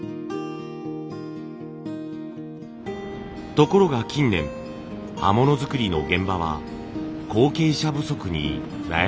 ところが近年刃物作りの現場は後継者不足に悩まされています。